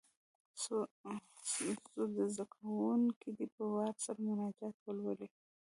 څو زده کوونکي دې په وار سره مناجات ولولي.